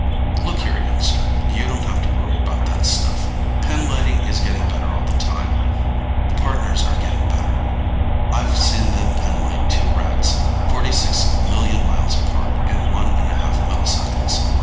"Look here, youngster. You don't have to worry about that stuff. Pinlighting is getting better all the time. The Partners are getting better. I've seen them pinlight two Rats forty six million miles apart in one and a half milliseconds.